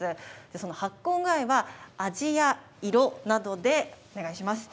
その発酵具合は味や色などで、お願いします。